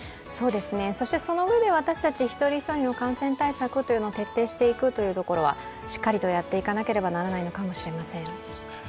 そのうえで私たち一人一人の感染対策を徹底していくというのはしっかりとやっていかなければならないのかもしれません。